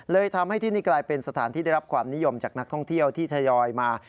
เลยทำให้ที่นี่กลายเป็นสถานที่ได้รับความนิยมจากนักท่องเที่ยวที่ทยอยมา